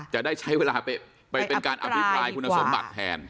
จะได้ใช้เวลาไปเป็นการอภิปรายคุณสมบัติแทน